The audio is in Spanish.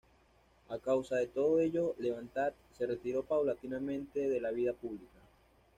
A causa de todo ello, Levant se retiró paulatinamente de la vida pública.